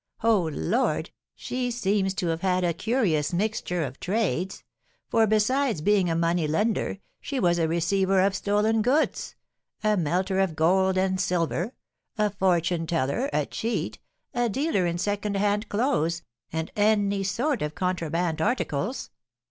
"Oh, Lord, she seems to have had a curious mixture of trades: for besides being a money lender, she was a receiver of stolen goods, a melter of gold and silver, a fortune teller, a cheat, a dealer in second hand clothes, and any sort of contraband articles.